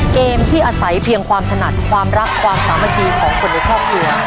เกมที่อาศัยเพียงความถนัดความรักความสามัคคีของคนในครอบครัว